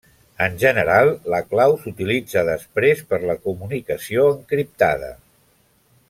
En general, la clau s'utilitza després per a comunicació encriptada.